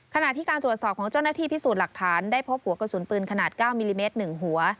ขณะที่การตรวจสอบของเจ้าหน้าที่พิสูจน์หลักฐานได้พบหัวกระสุนปืนขนาด๙มิลลิเมตร๑หัว